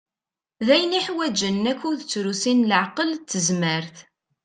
D ayen iḥwaǧen akud d trusi n leɛqel d tezmert.